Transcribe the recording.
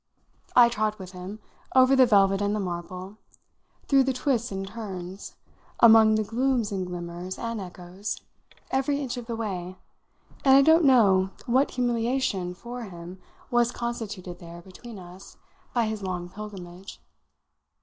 I trod with him, over the velvet and the marble, through the twists and turns, among the glooms and glimmers and echoes, every inch of the way, and I don't know what humiliation, for him, was constituted there, between us, by his long pilgrimage.